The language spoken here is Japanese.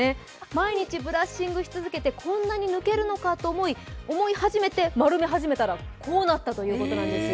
毎日ブラッシングし続けてこんなに抜けるのかと思い丸め始めたらこうなったということなんですよ。